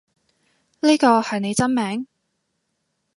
呢個係你真名？